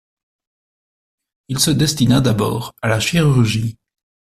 Il se destina d'abord à la chirurgie.